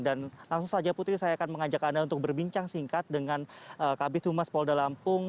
dan langsung saja putri saya akan mengajak anda untuk berbincang singkat dengan kabupaten humas polda lampung